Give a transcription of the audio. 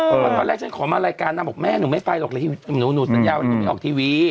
คือผมวันตอนแรกฉันขอมารายการแล้วแม่หนูไม่ไปหรอกหนูสัญญาหนูไม่ออกทีวี